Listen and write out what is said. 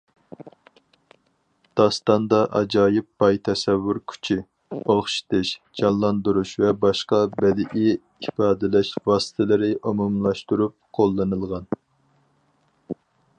داستاندا ئاجايىپ باي تەسەۋۋۇر كۈچى، ئوخشىتىش، جانلاندۇرۇش ۋە باشقا بەدىئىي ئىپادىلەش ۋاسىتىلىرى ئومۇملاشتۇرۇپ قوللىنىلغان.